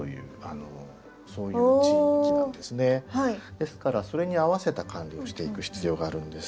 ですからそれに合わせた管理をしていく必要があるんです。